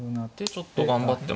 ちょっと頑張って。